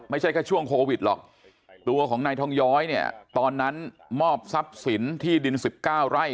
ไม่ใช่แค่ช่วงโควิดหรอกตัวของนายทองย้อยเนี่ยตอนนั้นมอบทรัพย์สินที่ดิน๑๙ไร่